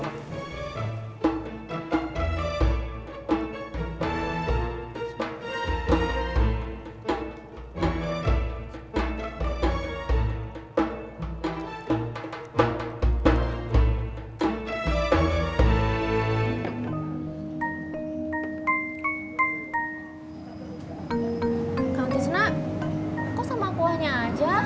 bogis ook lah